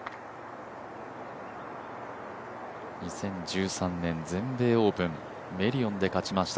２０１３年、全米オープンメリオンで勝ちました